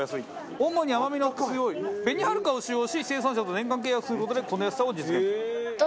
主に甘みの強い紅はるかを使用し生産者と年間契約する事でこの安さを実現。